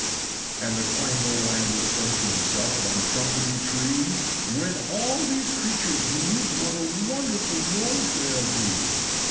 VI. And the Quangle Wangle said To himself on the Crumpetty Tree, "When all these creatures move What a wonderful noise there'll be!"